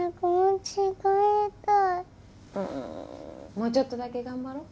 もうちょっとだけ頑張ろう。